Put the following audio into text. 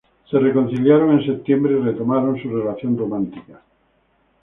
Se reconciliaron en septiembre y retomaron su relación romántica.